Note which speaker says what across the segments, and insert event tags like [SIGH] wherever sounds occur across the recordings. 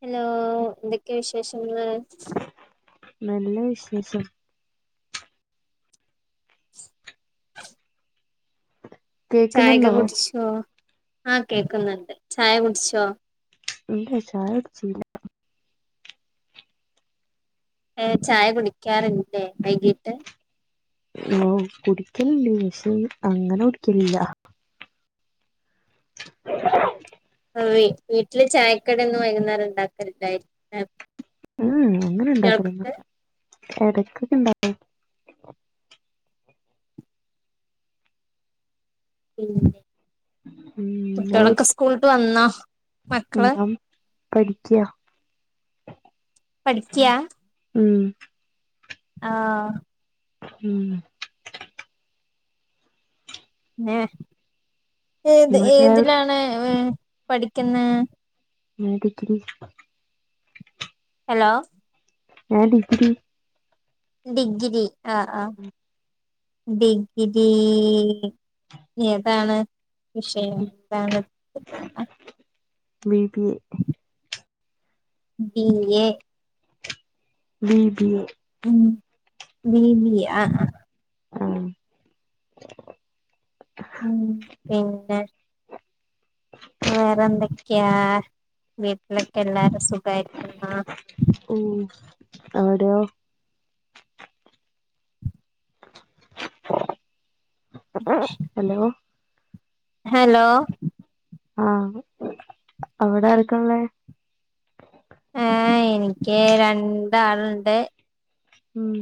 Speaker 1: Hello എന്തൊക്കെയ വിശേഷങ്ങള്?
Speaker 2: നല്ല വിശേഷം.
Speaker 1: [INAUDIBLE] ചായൊക്കെ
Speaker 2: കേക്കുന്നുണ്ടോ
Speaker 1: കുടിച്ചോ ആ കേക്കുന്നുണ്ട് ചായ കുടിച്ചോ?
Speaker 2: ഇല്ലെയ്‌ ചായ കുടിച്ചീല.
Speaker 1: ഏ ചായ കുടിക്ക്യാറില്ലേ വൈകിട്ട്.
Speaker 2: ഓ കുടിക്ക്യാല്ണ്ട് പക്ഷേ അങ്ങനെ കുടിക്കലില്ല. [INAUDIBLE]
Speaker 1: മം വി വീട്ടില് ചായക്കടിയൊന്നും വൈകുന്നേരം ഇണ്ടാക്ക [UNINTELLIGIBLE]
Speaker 2: മ്മ് അങ്ങനെ ഇണ്ടാക്കാലൊന്നുല്ലാ. എടക്കൊക്കെ ഇണ്ട ഉം അത്
Speaker 1: കുട്ടികളൊക്കെ
Speaker 2: കുടിച്ച്
Speaker 1: സ്കൂളിട്ട് വന്നോ മക്കള്
Speaker 2: പഠിക്ക്യാ.
Speaker 1: പഠിക്ക്യാ.
Speaker 2: മം
Speaker 1: ആ
Speaker 2: മം
Speaker 1: ഏ ഏത്
Speaker 2: ഇങ്ങള് ചായ കുടി
Speaker 1: ഏതിലാണ് ഏ പഠിക്കുന്നേ?
Speaker 2: [UNINTELLIGIBLE]
Speaker 1: ഹലോ
Speaker 2: ഞാൻ ഡിഗ്രി.
Speaker 1: ഡിഗ്രി ആ ആ ഡിഗ്രി ഏതാണ് വിഷയം താണ്?
Speaker 2: B B A
Speaker 1: B A
Speaker 2: B B A
Speaker 1: B B A ആ ആ
Speaker 2: ആ
Speaker 1: മം പിന്നെ വേറെ എന്തൊക്കെയാ വീട്ടിലൊക്കെ എല്ലാരും സുഖായിരിക്കുന്നോ?
Speaker 2: ഉം അവിടെയോ ഹലോ
Speaker 1: ഹലോ
Speaker 2: ആഹ് അവിടെ ആർക്കള്ളെ
Speaker 1: ഏ എനിക്ക് രണ്ടാളുണ്ട്.
Speaker 2: ഉം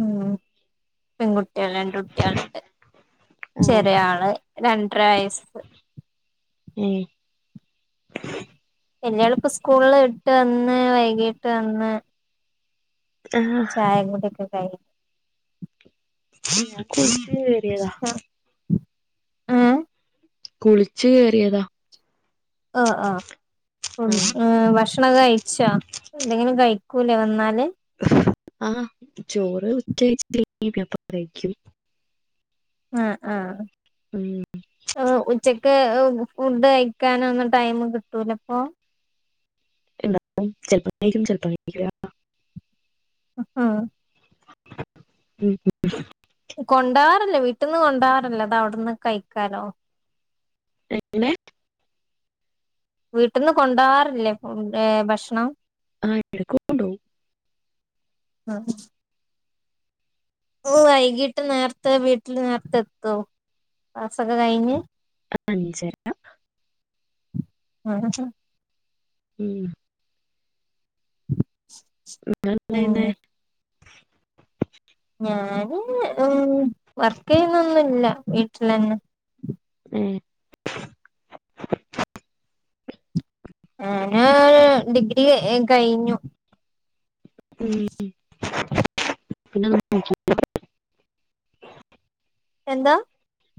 Speaker 1: ഉം പെൺകുട്ടി ലാണ്ട്ട്ട്യോൾണ്ട്
Speaker 2: ആഹ്
Speaker 1: ചെറിയ ആള് രണ്ടര വയസ്.
Speaker 2: ഉം
Speaker 1: എളെയാളും ഇപ്പ സ്കൂൾട്ടന്ന് വൈകീട്ടന്ന്.
Speaker 2: ആഹ്
Speaker 1: ചായകുഡ്യോക്കെ കഴിഞ്ഞോ?
Speaker 2: [UNINTELLIGIBLE]
Speaker 1: ആഹഏ
Speaker 2: കുളിച്ചു കേയറിയതാ.
Speaker 1: ആഹ ആ ഉ ഏ വഷ ഭക്ഷണം കഴിച്ചോ? എന്തെങ്കിലും കഴിക്കൂലേ വന്നാല്
Speaker 2: ആഹ ചോറ് ഉച്ചപ്പ [INAUDIBLE]
Speaker 1: ആഹ ആഹ
Speaker 2: ഉം
Speaker 1: ആ ഉച്ച ഫുഡ് കഴിക്കാനൊന്നും ടൈം കിട്ടൂലപ്പൊ?
Speaker 2: ണ്ടാവും ചെല്പം കഴിക്കും ചെല്പം കഴിക്കില്ല
Speaker 1: ആഹ
Speaker 2: ഉം ഉ
Speaker 1: കൊണ്ടാറല്ലേ വീട്ടീന്ന് കൊണ്ടാറല്ലോ അത വിടുന്ന് കഴിക്കാലോ?
Speaker 2: എങ്ങനെ.
Speaker 1: വീട്ടന്ന് കൊണ്ടോവാറില്ലേ ഭക്ഷണം?
Speaker 2: ആഹ ഇടക് കൊണ്ട് പോവും
Speaker 1: ആഹ ഓ വൈകീട്ട് നേരത്തെ വീട്ടിൽ നേരത്തെ എത്തോ ക്ലാസൊക്കെ കഴിഞ്ഞ്?
Speaker 2: അഞ്ചര
Speaker 1: ആഹ
Speaker 2: ഉം
Speaker 1: [UNINTELLIGIBLE] പിന്നെ
Speaker 2: [UNINTELLIGIBLE]
Speaker 1: ഞാന് ഉ വർക്ക്യ്ന്നൊന്നുംല്ല വീട്ടിൽന്നെ.
Speaker 2: ഉം
Speaker 1: ആ ഞ ഓ ഡിഗ്രി കഴിഞ്ഞു.
Speaker 2: ഉ പിന്നെ [INAUDIBLE]
Speaker 1: എന്താ?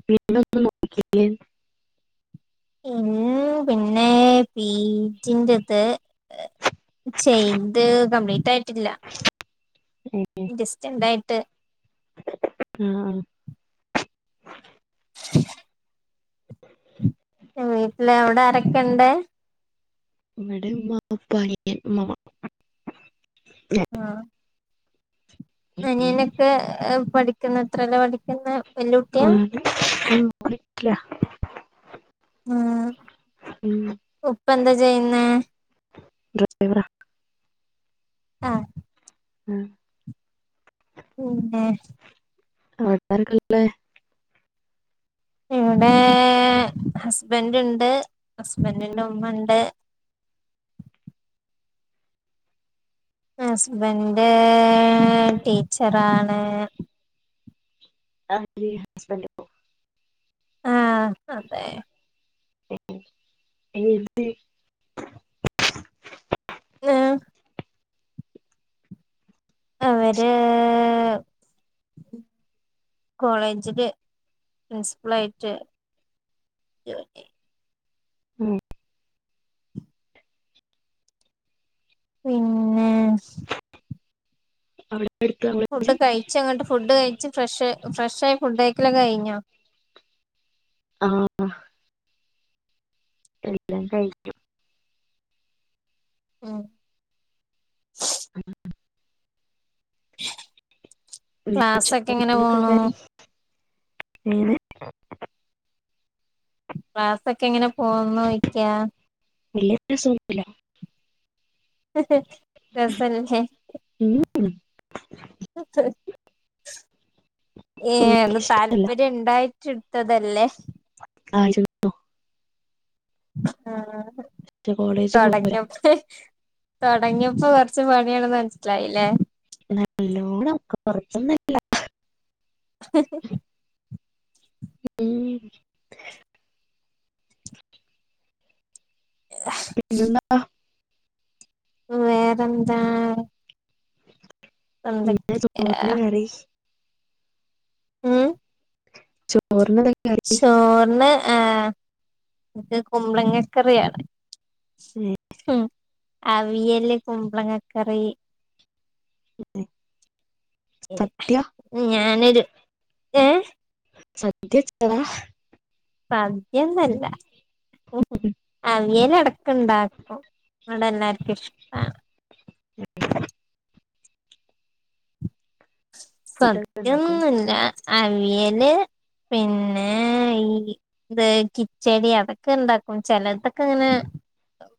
Speaker 2: പിന്നോനും നോക്കിയില്ലെന്
Speaker 1: ഉം പിന്നെ പീടിന്റെത് ചെയ്ത് കംപ്ലീറ്റയിട്ടില്ല ഡിസ്റ്റണ്ടായിട്ട്
Speaker 2: ആഹ
Speaker 1: ഉ വീട്ടില് അവിടെ ആരൊക്കെണ്ട്?
Speaker 2: വ്ട ഇമ്മ ഇപ്പ അനിയൻ ഉമ്മുമ്മ ഞാൻ
Speaker 1: ആഹ അനിയനൊക്കെ പഠിക്കുന്ന എത്രേല പഠിക്കുന്നേ?
Speaker 2: ആ ഉം പഠിക്ക ഉം
Speaker 1: ഉ ഉപ്പന്താ ചെയ്യുന്നേ?
Speaker 2: ഡ്രൈവർ
Speaker 1: ആഹ
Speaker 2: ആ
Speaker 1: ഉം
Speaker 2: അവിട്ടർക്കല്ലേ
Speaker 1: ഇവിടെ ഹസ്ബൻറ് ഉണ്ട് ഹസ്ബൻറിന്റെ ഉമ്മ ഉണ്ട് ഹസ്ബന്റ് ടീച്ചറാണ്
Speaker 2: ആടീ ഹസ്ബൻഡിപ്പം
Speaker 1: ആ അതെ
Speaker 2: ഏ എന്ത്
Speaker 1: ആം അവര് കോളേജില് പ്രിൻസിപ്പൽ ആയിട്ട് [UNINTELLIGIBLE]
Speaker 2: ഉം
Speaker 1: പിന്നെ
Speaker 2: അവിടെ അടുത്ത് നമ്മള്
Speaker 1: ഫുഡ് കഴിച്ചങ്ങോട്ട് ഫുഡ് കഴിച്ചു ഫ്രഷ് ഫ്രഷായി ഫുഡ് കഴിക്കലൊക്കെ കഴിഞ്ഞോ
Speaker 2: ആ അ എല്ലാം കഴിക്കും
Speaker 1: ഉം
Speaker 2: [UNINTELLIGIBLE] ഉം
Speaker 1: ക്ലാസെക്കെ എങ്ങനെ
Speaker 2: ചോറിനൊക്കെ
Speaker 1: പോണു
Speaker 2: കറി [UNINTELLIGIBLE]
Speaker 1: ക്ലാസെക്കെ എങ്ങനെ പോന്നുചോയ്ക്കാ
Speaker 2: വല്ലൃ രസൊന്നില്ല
Speaker 1: രസോല്ലെ
Speaker 2: ഉം
Speaker 1: ഏ എന്ന
Speaker 2: എനിക്കിഷ്ടല്ല
Speaker 1: താല്പര്യം ഉണ്ടായിട്ടുട് ടുത്തതല്ലേ
Speaker 2: ആയിരുന്നു
Speaker 1: ആ
Speaker 2: കോളേജ് പോരാ
Speaker 1: തുടങ്ങിയപ്പോ തുടങ്ങിയപ്പോ കൊറച്ചു പണിയൊണ്ടെന്ന് മനസ്സിലായില്ലേ
Speaker 2: നല്ലോണം കുറച്ചൊന്നല്ല
Speaker 1: [INAUDIBLE]
Speaker 2: [INAUDIBLE] പിന്നെന്താ
Speaker 1: വേറെന്താ
Speaker 2: ഇന്നെന്താ
Speaker 1: എന്തൊക്കെയാ
Speaker 2: ചോറിന്റെ കറി
Speaker 1: ഉം
Speaker 2: ചോറിനതെ
Speaker 1: ചോറിന് ആ ക്ക് കുമ്പളങ്ങക്കറിയാണ് ഉം അവിയല് കുമ്പളങ്ങാക്കറി
Speaker 2: [UNINTELLIGIBLE] സദ്യ
Speaker 1: ഞാനൊരു ഏ
Speaker 2: സദ്യ വെച്ചതാ
Speaker 1: സദ്യാന്നല്ല അവിയലടക്കം ഉണ്ടാക്കും ഇവടെ എല്ലാർക്കും ഇഷ്ടാണ്
Speaker 2: [UNINTELLIGIBLE] ഫുഡൊക്കെ ഉണ്ടാക്കും
Speaker 1: സത്യൊന്നൊല്ലൃ അവിയല് പിന്നെ ഈ ഇത് കിച്ചടി അതൊക്കെ ഇണ്ടാക്കും ചിലതൊക്കെ ഇങ്ങനെ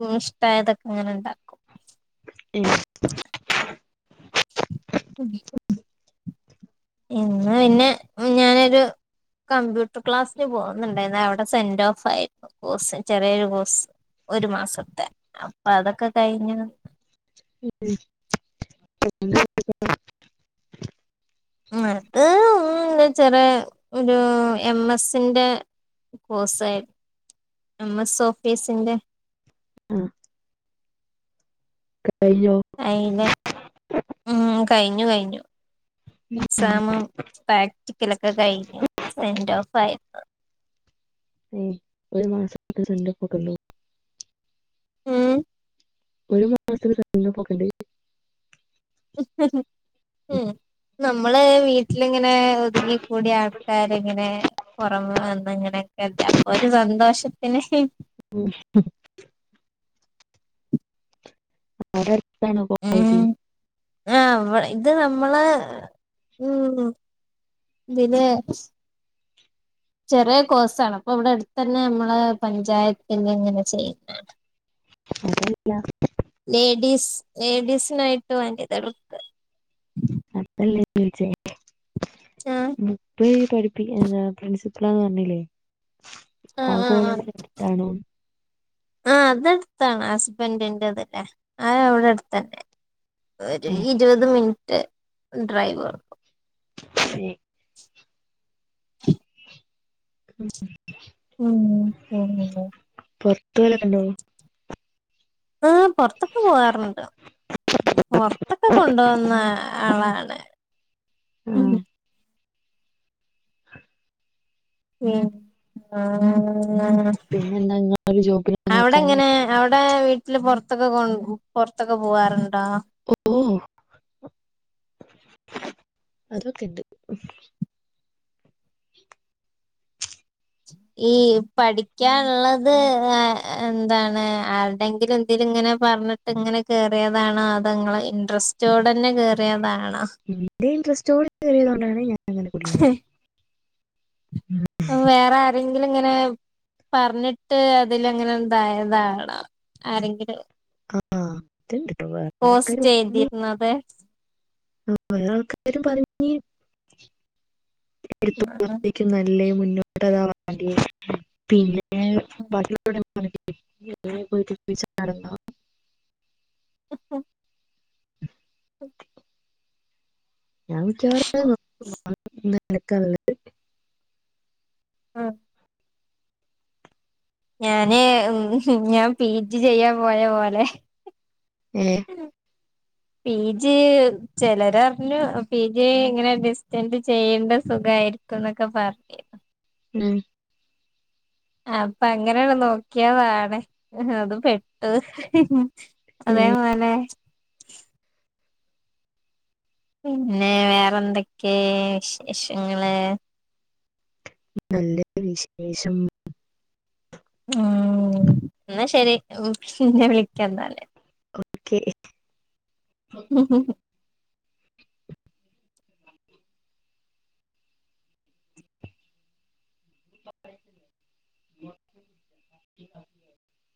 Speaker 1: ഉ ഇഷ്ടായതൊക്കെ ഇങ്ങനെ ഒണ്ടാക്കും
Speaker 2: ഉം.
Speaker 1: ഉ. ഇന്ന് പിന്നെ ഞാനൊരു കമ്പ്യൂട്ടർ ക്ലാസ്സിന് പോന്നുണ്ടായിരുന്നു അവിടെ സെന്റ് ഓഫായിരുന്നു കോസ് ചെറിയൊരു കോസ് ഒരു മാസത്തെ അപ്പൊ അതൊക്കെ കഴിഞ്ഞ്.
Speaker 2: ഉ [UNINTELLIGIBLE]
Speaker 1: മത [UNINTELLIGIBLE] ചെറ ഒരു എം എസിന്റെ കോഴ്സ് ആയി നമ്മ സോഫേസിന്റെ.
Speaker 2: ആഹ. അയ്യോ.
Speaker 1: അയില് ഉം കഴിഞ്ഞു കഴിഞ്ഞു എക്സാമ പ്രാക്ടിക്കൽ. ക്ക കഴിഞ്ഞു സെന്റ് ഓഫ് ആയിരുന്നു.
Speaker 2: ഏ ഒരു മാസംക്ക. സെന്റ് ഓഫ് ണ്ടോ. [UNINTELLIGIBLE]
Speaker 1: ഉം.
Speaker 2: ഒരു മാസത്തിൽ സെന്റ് ഓഫ് കണ്ട്.
Speaker 1: ഉ നമ്മള് വീട്ടിലിങ്ങനെ ഒതുങ്ങി. കൂടി ആൾക്കാർ ഇങ്ങനെ പുറമ വന്ന ഇങ്ങനെയൊക്കെ അപ്പൊ ഒരു സന്തോഷത്തിന്.
Speaker 2: ഓ. ആവിടെ ടത്തണോ
Speaker 1: ഉം
Speaker 2: കോളേജ്.
Speaker 1: ആഹ് ഇത് നമ്മള് ഉ. പിന്നെ. ചെറിയ കോഴ്സ ആാണ് അപ്പൊ വിടെ അടുത്ത് ന്നെ നമ്മള് പഞ്ചായത്തിെ ങ്ങനെ ചെയ്ത്താണ്.
Speaker 2: അതല്ല.
Speaker 1: ലേഡീസിനായിട്ട് വനിതൾക്ക്.
Speaker 2: ടീച്ചേ.
Speaker 1: ആഹ്
Speaker 2: ബുപ്പ് പഠിപ്പിക്ക പ്രിൻസിപ്പളാന്ന് പറഞ്ഞിലേ. ആ കോളേജ് എട്ത്താണ്.
Speaker 1: ആ അതടുത്താണ് ഹസ്ബന്റി ന്റെ ആ വിടെ അടുത്തന്നെ. ഒരു
Speaker 2: ഏഹ്
Speaker 1: ഇരുപത് മിനിറ്റ് ഡ്രൈവ് കൊർക്കു.
Speaker 2: ശേ. ഉം.
Speaker 1: [UNINTELLIGIBLE] ഉം ഉ.
Speaker 2: പൊറത്ത [UNINTELLIGIBLE]
Speaker 1: ആ പുൊറത്തക്കെ പോവാറ്ണ്ട്. പുറത്തൊക്കെ കൊണ്ട പോന്ന ആളാണ്.
Speaker 2: ആഹ.
Speaker 1: ഉം ഉം ആ.
Speaker 2: പിന്നെന്താ നിങ്ങളൊരു ജോബിനെ
Speaker 1: ആ അവിടെ
Speaker 2: നോക്കാന്
Speaker 1: ങ്ങനെ അവിടെ വീട്ടില് പുറത്ത് പുറത്തൊക്കെ പോവാറുണ്ടേ?
Speaker 2: ഓ. അതൊക്കെണ്ട്.
Speaker 1: ഈ പഠിക്കാനുള്ളത് ന്താണ് ആരുടെങ്കിലും ന്ത ഇങ്ങനെ പറഞ്ഞിട്ട് ങ്ങനെ കയറിയതാണോ അതോങ്ങളെ ഇൻറ്രസ്റ്റോട് ന്നെ കയറിയതാണോ.
Speaker 2: എന്റെ ഇൻ്രസ്റ്റോറിയത [UNINTELLIGIBLE] കൊണ്ടാണ് ഞാ
Speaker 1: വേറെ ആരെി ഇങ്ങനെ പറഞ്ഞിട്ട് അതിൽ അങ്ങനെന്തായതാണോആരെങ്കിലും.
Speaker 2: ആഹ അത്ണ്ട്ട്ടോ വേറെ ആർകാര് പറിഞ്.
Speaker 1: ചെയ്തിരുന്നത്
Speaker 2: ആ വേറെ ൾക്കാരും പറഞ്ഞ്. എത്തത്തേക്കും നല്ല മുന്നോട്ട് വണ്ട പിന്നെ [UNINTELLIGIBLE]
Speaker 1: ങ ങ്
Speaker 2: [UNINTELLIGIBLE] ഞാൻ വിളിക്കാറക്കുള്ള
Speaker 1: ആ ഞാന് ഉം ഞാൻ പി ജി ചെയ്യാൻ പോയ പോലെ.
Speaker 2: ഏഹ്
Speaker 1: പി ജി ചിലരറിഞ്ഞു. പി ജി ഇങ്ങനെ ഡിസ്റ്റന്റ ചെയ്യേണ്ട സുഖയിരി [UNINTELLIGIBLE] പറഞ്ഞ്.
Speaker 2: ഉം
Speaker 1: അപ്പ അങ്ങനെ നോക്കിയ പാടെ അത് പെട്ടു. അതേ
Speaker 2: ഉം,
Speaker 1: പോലെ പിന്നെ വേറെന്തൊക്കെ വിശേഷങ്ങള്?
Speaker 2: നല്ല വിശേഷം.
Speaker 1: ഉം എന്നാ ശരി. പിന്നെ വിളിക്ക എന്നാൽ.
Speaker 2: ഓക്കെ [UNINTELLIGIBLE]